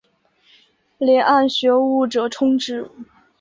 遴谙学务者充之。